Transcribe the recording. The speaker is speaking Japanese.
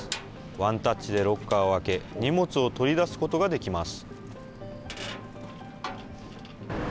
ワンタッチでロッカーを開け、荷物を取り出すことができます。